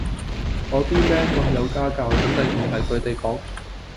我啲靚咁有家教，肯定唔係佢哋講